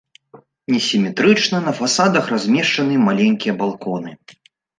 Несіметрычна на фасадах размешчаны маленькія балконы.